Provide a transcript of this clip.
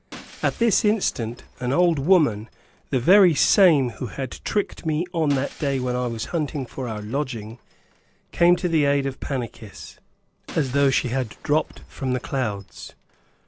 At this instant, an old woman, the very same who had tricked me on that day when I was hunting for our lodging, came to the aid of Pannychis, as though she had dropped from the clouds.